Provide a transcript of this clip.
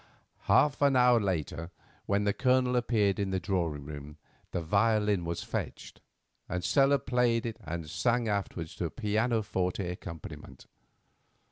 Half an hour later, when the Colonel appeared in the drawing room, the violin was fetched, and Stella played it and sang afterwards to a piano forte accompaniment.